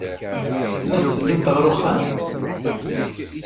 La tetteddumt ɣer uxxam?